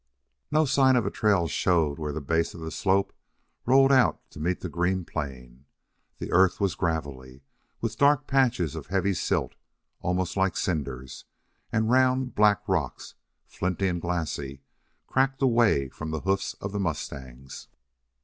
No sign of a trail showed where the base of the slope rolled out to meet the green plain. The earth was gravelly, with dark patches of heavy silt, almost like cinders; and round, black rocks, flinty and glassy, cracked away from the hoofs of the mustangs.